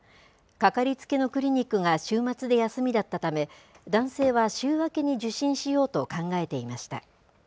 かかりつけのクリニックが週末で休みだったため、男性は週明けに受診しようと考えていました。